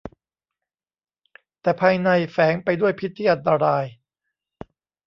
แต่ภายในแฝงไปด้วยพิษที่อันตราย